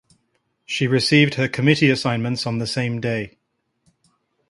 She received her committee assignments on the same day.